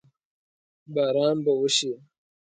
باران به وشي؟